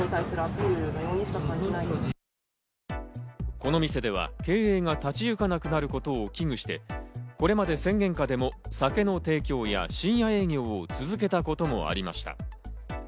この店では経営が立ちゆかなくなることを危惧して、これまで宣言下でも酒の提供や深夜営業を続けたこともありました。